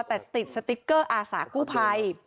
แต่ติดสติ๊กเกอร์อาสากู้ภัย